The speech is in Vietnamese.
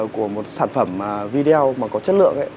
của một sản phẩm video mà có chất lượng ấy